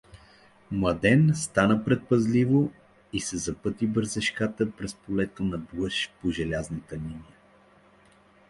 Младен стана предпазливо и се запъти бързишката през полето надлъж по желязната линия.